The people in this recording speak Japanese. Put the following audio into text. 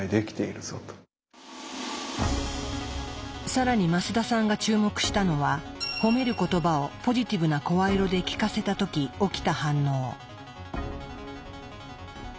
更に増田さんが注目したのは褒める言葉をポジティブな声色で聞かせた時起きた反応。